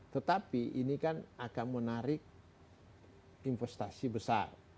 tetapi ini kan akan menarik investasi besar